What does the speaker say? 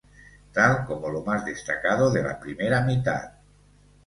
Tal como lo más destacado de la primera mitad.